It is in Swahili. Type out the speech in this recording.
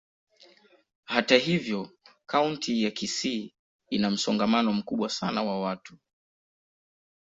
Hata hivyo, kaunti ya Kisii ina msongamano mkubwa sana wa watu.